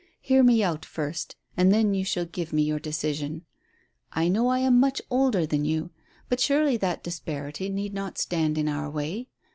"Hear me out first, and then you shall give me your decision. I know I am much older than you, but surely that disparity need not stand in our way.